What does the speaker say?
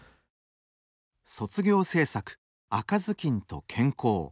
卒業制作「赤ずきんと健康」。